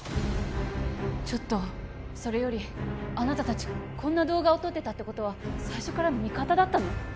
ちょっとそれよりあなた達こんな動画を撮ってたってことは最初から味方だったの？